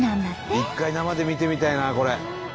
一回生で見てみたいなこれ。